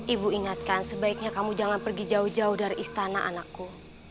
ibu ingatkan sebaiknya kamu jangan pergi jauh jauh dari istana anakku